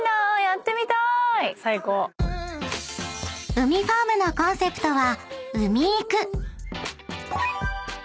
［うみファームのコンセプトは］